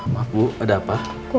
maaf bu ada apa